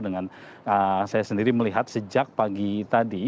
dengan saya sendiri melihat sejak pagi tadi